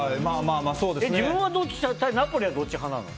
自分は、どっち派なの？